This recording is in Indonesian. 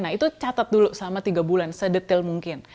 nah itu catat dulu selama tiga bulan sedetil mungkin